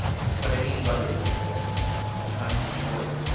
What I mean, Brothers, 29 is this :— The time is short.